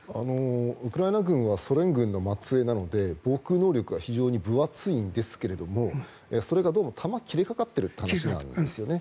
ウクライナ軍はソ連軍の末えいなので防空能力は非常に分厚いんですがそれがどうも弾が切れかかってるという話なんですよね。